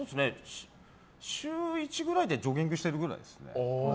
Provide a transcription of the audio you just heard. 週１ぐらいでジョギングしてるぐらいですね。